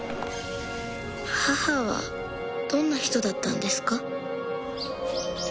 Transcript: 母はどんな人だったんですか？